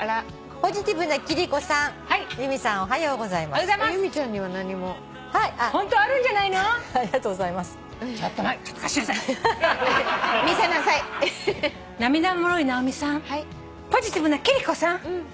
「ポジティブな貴理子さん」